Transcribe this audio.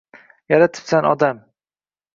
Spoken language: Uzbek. Yaratibsan odam